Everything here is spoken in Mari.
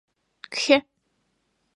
— Кхе...